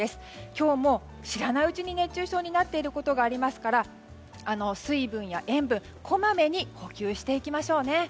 今日も知らないうちに熱中症になっていることがありますから水分や塩分こまめに補給していきましょう。